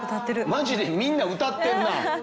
マジでみんな歌ってんな。